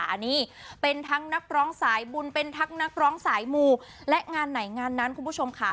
อันนี้เป็นทั้งนักร้องสายบุญเป็นทั้งนักร้องสายมูและงานไหนงานนั้นคุณผู้ชมค่ะ